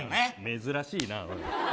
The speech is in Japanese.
珍しいな。